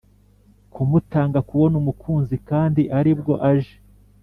kumutanga kubona umukunzi kandi aribwo aje